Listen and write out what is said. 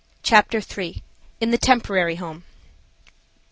CHAPTER III. IN THE TEMPORARY HOME.